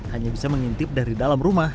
hanya bisa mengintip dari dalam rumah